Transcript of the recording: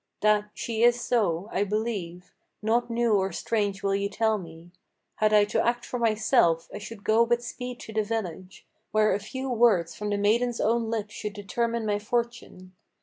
That, she is so, I believe; naught new or strange will ye tell me. Had I to act for myself, I should go with speed to the village, Where a few words from the maiden's own lips should determine my fortune.